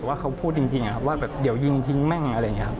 ว่าเขาพูดจริงนะครับว่าแบบเดี๋ยวยิงทิ้งแม่งอะไรอย่างนี้ครับ